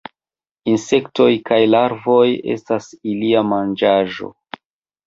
Insektoj kaj larvoj estas ilia manĝaĵo.